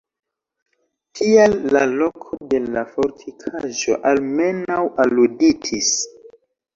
Tial la loko de la fortikaĵo almenaŭ aluditis.